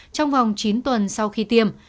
trong vòng chín tuần sau khi tiêm